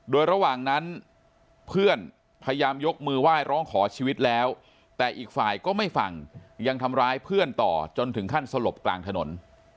โดยระหว่างนั้นเพื่อนพยายามยกมือไหว้ร้องขอชีวิตแล้วแต่อีกฝ่ายก็ไม่ฟังยังทำร้ายเพื่อนต่อจนถึงขั้นสลบกลางถนน